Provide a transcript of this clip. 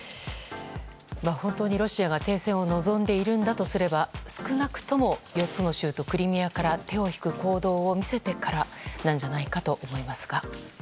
本当にロシアが停戦を望んでいるんだとすれば少なくとも４つの州とクリミアから手を引く行動を見せてからなんじゃないかと思いますが。